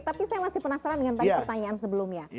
tapi saya masih penasaran dengan tadi pertanyaan sebelumnya